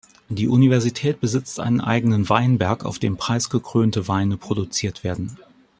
Die Universität besitzt einen eigenen Weinberg, auf dem preisgekrönte Weine produziert werden.